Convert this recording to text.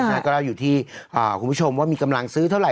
อาจารย์ก็แล้วอยู่ที่คุณผู้ชมว่ามีกำลังซื้อเท่าไหร่